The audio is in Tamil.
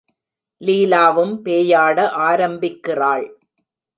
லீலாவும் பேயாட ஆரம்பிக்கிறாள்.